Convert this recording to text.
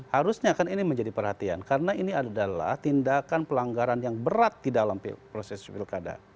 harusnya kan ini menjadi perhatian karena ini adalah tindakan pelanggaran yang berat di dalam proses pilkada